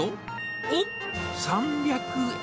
おっ、３００円。